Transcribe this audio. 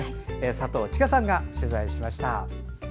佐藤千佳さんの取材でした。